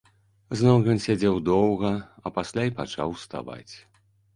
Зноў ён сядзеў доўга, а пасля і пачаў уставаць.